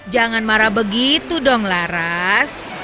jangan marah begitu dong laras